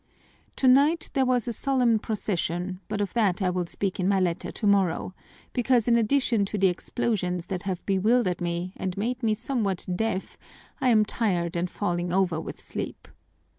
"Tonight there was a solemn procession, but of that I will speak in my letter tomorrow, because in addition to the explosions that have bewildered me and made me somewhat deaf I am tired and falling over with sleep.